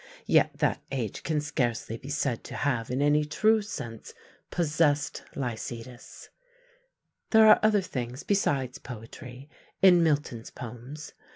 Yet that age can scarcely be said to have in any true sense possessed Lycidas. There are other things, besides poetry, in Milton's poems.